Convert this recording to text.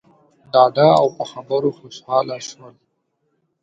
ډاډه او په خبرو خوشحاله شول.